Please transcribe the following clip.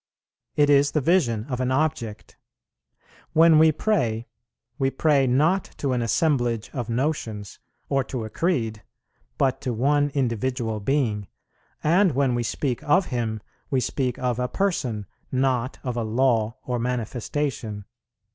It is the vision of an object. When we pray, we pray, not to an assemblage of notions or to a creed, but to One Individual Being; and when we speak of Him, we speak of a Person, not of a Law or Manifestation